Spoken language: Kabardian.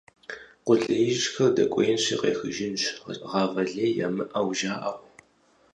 Къулеижьхэр дэкӀуеинщи къехыжынщ, гъавэ лей ямыӀэу жаӀэу.